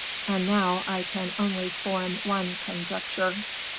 And now I can only form one conjecture."